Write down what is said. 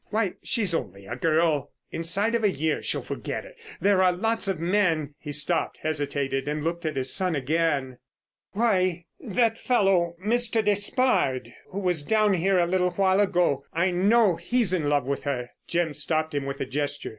Why, she's only a girl. Inside of a year, she'll forget it. There are lots of men——" He stopped, hesitated, and looked at his son again. "Why, that fellow, Mr. Despard, who was down here a little while ago, I know he's in love with her——" Jim stopped him with a gesture.